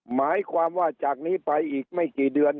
หมายความว่าจากนี้ไปอีกไม่กี่เดือน